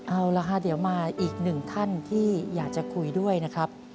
เอาละค่ะเดี๋ยวมาอีกหนึ่งท่านที่อยากจะคุยด้วยนะครับ